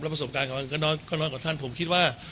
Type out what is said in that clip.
แล้วประสบการณ์ก็น้อยก็น้อยกับท่านผมคิดว่า